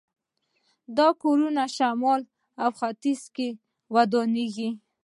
دا کورونه شمال او ختیځ کې ودانېږي.